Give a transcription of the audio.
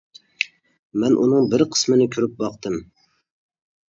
مەن ئۇنىڭ بىر قىسمىنى كۆرۈپ باقتىم.